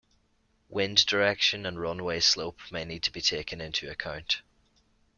Wind direction and runway slope may need to be taken into account.